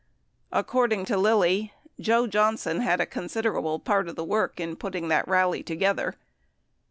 According to Lilly, "... Joe Johnson had a considerable part of the work in putting that (rally) together."